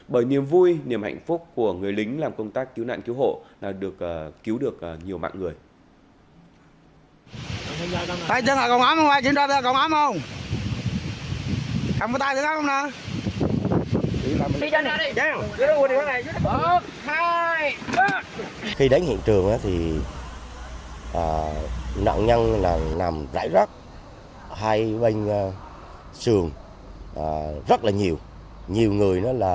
bởi niềm vui niềm hạnh phúc của người lính làm công tác cứu nạn cứu hộ đã được cứu được nhiều mạng người